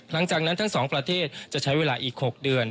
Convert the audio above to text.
หลังจากนั้นทั้งสองประเทศจะใช้เวลาอีก๖เดือน